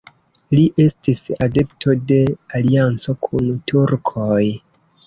Li estis adepto de alianco kun turkoj.